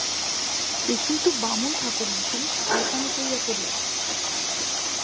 এ কিন্তু বামুন-ঠাকরুন, তুমি শয়তানি করিয়া করিয়াছ।